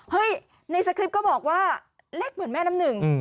ในสคริปต์ก็บอกว่าเล็กเหมือนแม่น้ำหนึ่ง